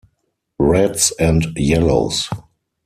Reds and Yellows.